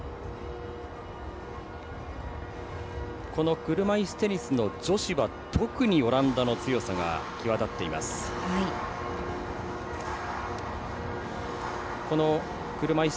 この車いすテニスの女子は特にオランダの強さが際立っています。